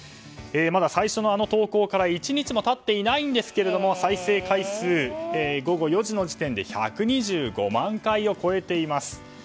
まだ最初の投稿から１日も経っていないんですが再生回数、午後４時の時点で１２５万回を超えています。